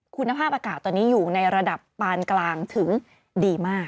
คุณภาพอากาศตอนนี้อยู่ในระดับปานกลางถึงดีมาก